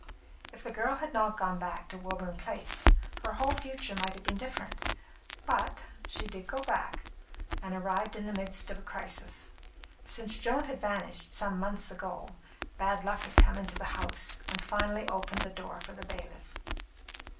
If the girl had not gone back to Woburn Place, her whole future might have been different. But she did go back, and arrived in the midst of a crisis. Since Joan had vanished, some months ago, bad luck had come into the house and finally opened the door for the bailiff.